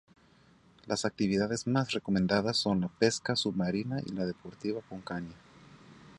Las actividades más recomendadas son la pesca submarina y la deportiva con caña.